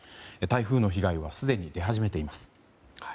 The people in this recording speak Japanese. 台風の被害はすでに出始めています。